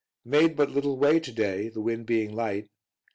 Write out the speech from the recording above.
Made but little way today, the wind being light.